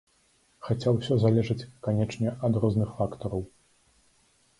Хаця ўсё залежыць, канечне, ад розных фактараў.